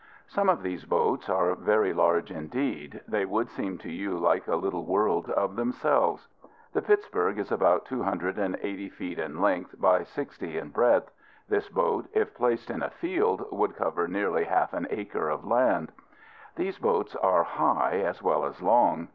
Some of these boats are very large indeed. They would seem to you like a little world of themselves. The Pittsburg is about two hundred and eighty feet in length by sixty in breadth. This boat, if placed in a field, would cover nearly half an acre of land. These boats are high as well as long.